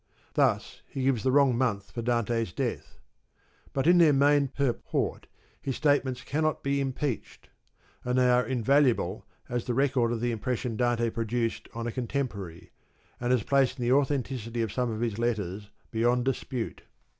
Thus he gives the wrong month for Dante's death. But in their main purport his state ments cannot be impeached, and they are invaluable as the record of the impression Dante produced on a contemporary, and as placing the authenticity of some of his letters beyond dispute.